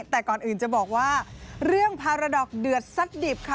แต่ก่อนอื่นจะบอกว่าเรื่องภารดอกเดือดซัดดิบค่ะ